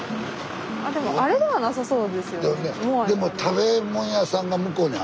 でもあれではなさそうですよね。